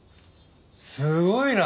すごいな。